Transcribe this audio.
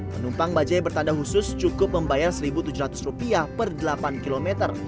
penumpang bajai bertanda khusus cukup membayar rp satu tujuh ratus per delapan km